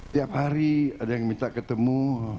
tiap hari ada yang minta ketemu